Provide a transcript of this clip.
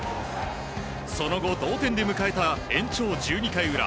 その後、同点で迎えた延長１２回裏。